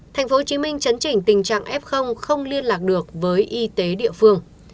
tp hcm chấn chỉnh tình trạng f không liên lạc được với y tế địa phương